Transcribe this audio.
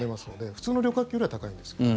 普通の旅客機ぐらいは高いんですけど。